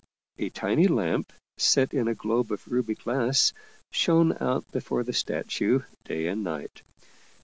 A tiny lamp, set in a globe of ruby glass, shone out before the statue day and night.